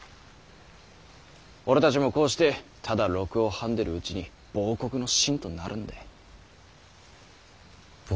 俺たちもこうしてただ禄を食んでるうちに亡国の臣となるんだい。